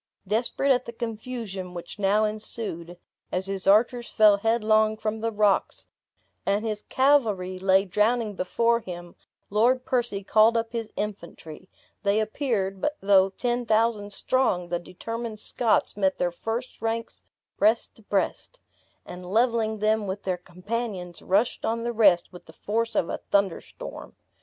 Desperate at the confusion which now ensued, as his archers fell headlong from the rocks, and his cavalry lay drowning before him, Lord Percy called up his infantry; they appeared, but though ten thousand strong, the determined Scots met their first ranks breast to breast; and leveling them with their companions, rushed on the rest with the force of a thunder storm.